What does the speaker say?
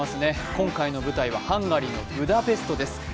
今回の舞台はハンガリーのブダペストです。